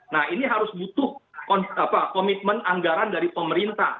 nah ini harus butuh komitmen anggaran dari pemerintah